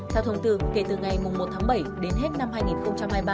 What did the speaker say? theo thông tư kể từ ngày một tháng bảy đến hết năm hai nghìn hai mươi ba